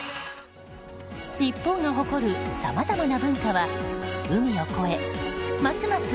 日本が誇るさまざまな文化は海を越えますます